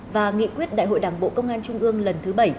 và nghị quyết đại hội đảng bộ công an trung ương lần thứ bảy